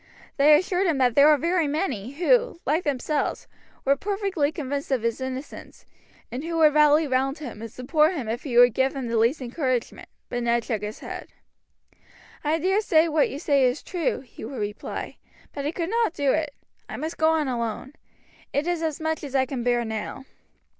They assured him that there were very many who, like themselves, were perfectly convinced of his innocence, and who would rally round him and support him if he would give them the least encouragement, but Ned shook his head. "I dare say what you say is true," he would reply; "but I could not do it I must go on alone. It is as much as I can bear now."